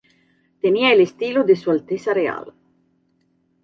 Tenía el estilo de Su Alteza Real.